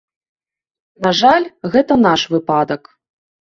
На жаль, гэта наш выпадак.